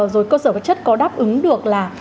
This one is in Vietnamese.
rồi cơ sở vật chất có đáp ứng được là